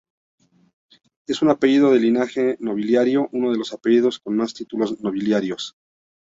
Es un apellido de linaje nobiliario, uno de los apellidos con más títulos nobiliarios.